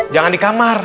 jangan di kamar